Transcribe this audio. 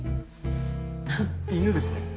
犬ですね。